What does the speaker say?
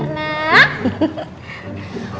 udah apa mbak mirna